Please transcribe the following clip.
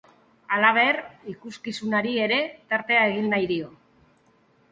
Halaber, ikuskizunari ere tartea egin nahi dio.